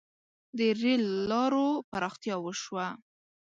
• د رېل لارو پراختیا وشوه.